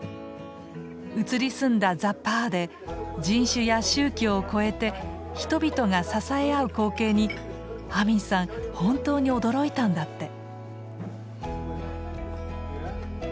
移り住んだザ・パーで人種や宗教を超えて人々が支え合う光景にアミンさん本当に驚いたんだって。